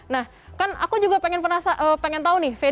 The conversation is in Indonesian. nah kan aku juga pengen tahu nih